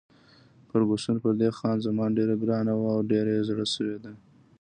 فرګوسن پر دې خان زمان ډېره ګرانه وه او ډېر یې زړه سوځېده.